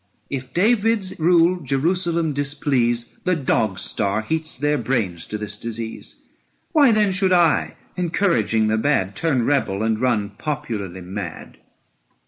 If David's rule Jerusalem displease, The dog star heats their brains to this disease. Why then should I, encouraging the bad, 335 Turn rebel and run popularly mad?